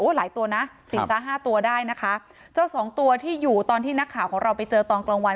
หลายตัวนะสินซะห้าตัวได้นะคะเจ้าสองตัวที่อยู่ตอนที่นักข่าวของเราไปเจอตอนกลางวัน